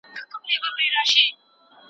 استازي به د کرنې د عصري کولو لپاره غوښتني کوي.